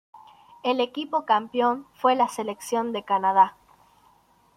El equipo campeón fue la selección de Canadá.